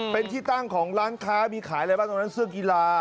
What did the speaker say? เป็นที่ตั้งของร้านค้ามีขายอะไรบ้างตรงนั้นเสื้อกีฬา